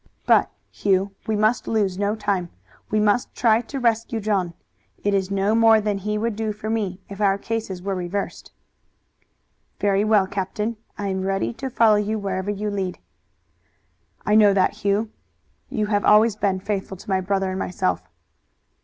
But, Hugh, we must lose no time. We must try to rescue John. It is no more than he would do for me if our cases were reversed." "Very well, captain. I am ready to follow wherever you lead." "I know that, Hugh. You have always been faithful to my brother and myself."